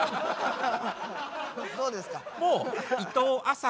どうですか？